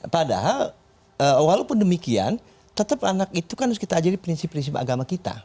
padahal walaupun demikian tetap anak itu kan harus kita ajarin prinsip prinsip agama kita